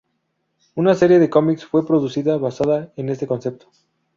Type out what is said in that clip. Una serie de cómics fue producida basada en este concepto.